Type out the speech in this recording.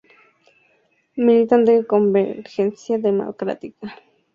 Militante de Convergencia Democrática de Cataluña, ha sido presidenta de la sección de Amposta.